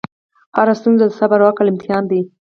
هره ستونزه د صبر او عقل امتحان دی.